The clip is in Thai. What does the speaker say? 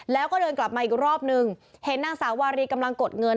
แล้วก็เดินกลับมาอีกรอบนึงเห็นนางสาววารีกำลังกดเงิน